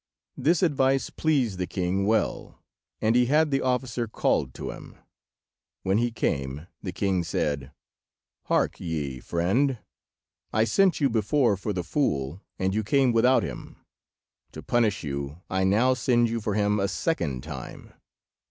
This advice pleased the king well, and he had the officer called to him. When he came the king said— "Hark ye, friend! I sent you before for the fool, and you came without him. To punish you I now send you for him a second time.